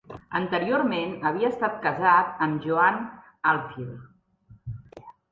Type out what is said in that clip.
Anteriorment havia estat casat amb Joanne Ahlfield.